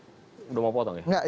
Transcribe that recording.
sudah mau potong ya